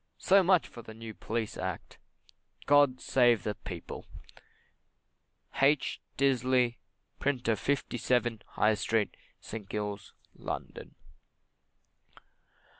So much for the New Police Act. God save the People! H. Disley, Printer, 57, High Street, St. Giles, London.